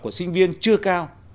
của sinh viên chưa cao